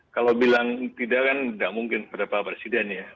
kalau bilang tidak kan tidak mungkin kepada pak presiden ya